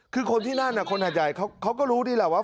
คือคนที่นั่นคนหาดใหญ่เขาก็รู้ดีแหละว่า